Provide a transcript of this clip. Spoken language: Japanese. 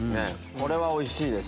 これはおいしいです。